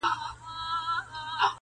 ستا پسرلي ته به شعرونه جوړ کړم-